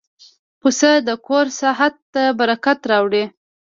پسه د کور ساحت ته برکت راوړي.